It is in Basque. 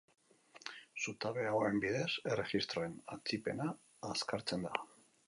Zutabe hauen bidez erregistroen atzipena azkartzen da.